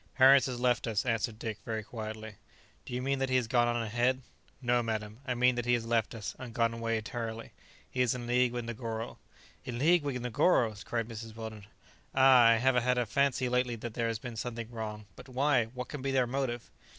"Harris has left us," answered Dick very quietly. "Do you mean that he has gone on ahead?" "No, madam, I mean that he has left us, and gone away entirely: he is in league with Negoro." "In league with Negoro!" cried Mrs. Weldon, "Ah, I have had a fancy lately that there has been something wrong: but why? what can be their motive?"